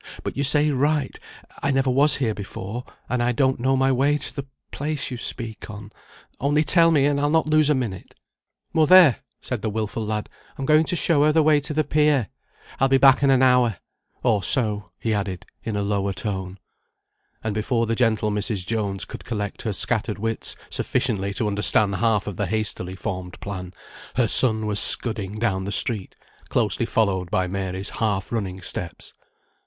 "But you say right, I never was here before, and I don't know my way to the place you speak on; only tell me, and I'll not lose a minute." "Mother!" said the wilful lad, "I'm going to show her the way to the pier; I'll be back in an hour, or so, " he added in a lower tone. And before the gentle Mrs. Jones could collect her scattered wits sufficiently to understand half of the hastily formed plan, her son was scudding down the street, closely followed by Mary's half running steps.